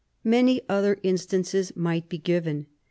Many other instances might be given.